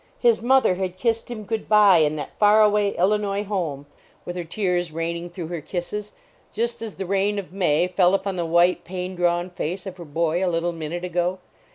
His mother had kissed him good bye in that far away Illinois home, with her tears raining through her kisses, just as the rain of May fell upon the white, pain drawn face of her boy a little minute ago.